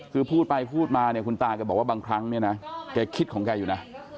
คือพูดไปพูดมาเนี่ยคุณตาแกบอกว่าบางครั้งเนี่ยนะแกคิดของแกอยู่นะ